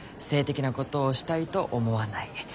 性的なことをしたいと思わない。